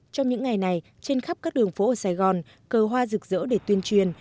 trong những ngày này trên khắp các đường phố ở sài gòn cờ hoa rực rỡ để tuyên truyền